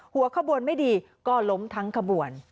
หัวขบวนไม่ดีก็ล้มทั้งขบวน